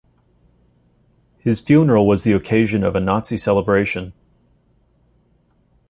His funeral was the occasion of a Nazi celebration.